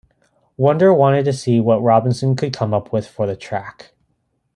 Wonder wanted to see what Robinson could come up with for the track.